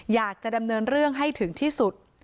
อยากจะดำเนินเรื่องให้ถึงที่สุด